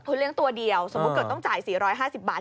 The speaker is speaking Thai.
คือเลี้ยงตัวเดียวสมมุติเกิดต้องจ่าย๔๕๐บาท